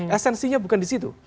esensinya bukan di situ